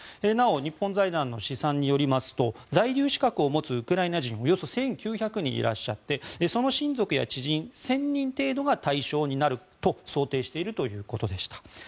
なお日本財団の試算によりますと在留資格を持つウクライナ人はおよそ１９００人いてその親族や知人１０００人程度が対象になると想定しているということでした。